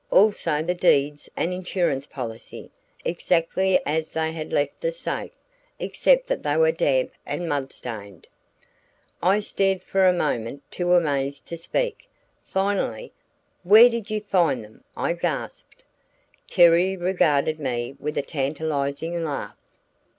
Also the deeds and insurance policy, exactly as they had left the safe, except that they were damp and mud stained. I stared for a moment too amazed to speak. Finally, "Where did you find them?" I gasped. Terry regarded me with a tantalizing laugh.